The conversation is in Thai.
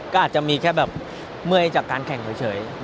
ก็อาจจะมีแค่แบบเมื่อยจากการแข่งเฉย